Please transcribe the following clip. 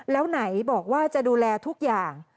แล้วไหนบอกว่าจะดูแลทุกอย่าง